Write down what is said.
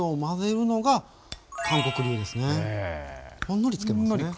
ほんのり付けますね。